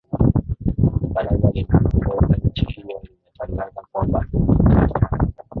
baraza linaloongoza nchi hiyo limetangaza kwamba litafanya